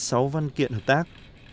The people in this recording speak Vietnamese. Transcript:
sáu văn kiện hợp tác